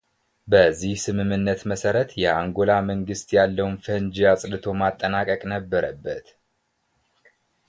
በዚህ ስምምነት መሠረት የአንጎላ መንግሥት ያለውን ፈንጂ አጽድቶ ማጠናቀቅ ነበረበት